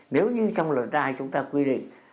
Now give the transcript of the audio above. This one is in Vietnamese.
nếu như trong luật ai chúng ta quy định